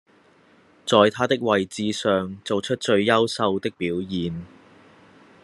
在他的位置上做出最優秀的表現